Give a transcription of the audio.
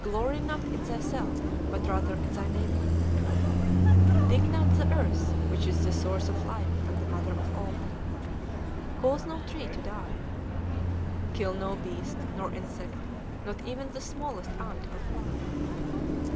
Glory not in thyself, but rather in thy neighbor. Dig not the earth, which is the source of life and the mother of all. Cause no tree to die. Kill no beast, nor insect, not even the smallest ant or fly.